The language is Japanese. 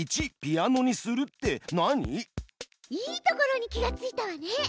いいところに気がついたわね。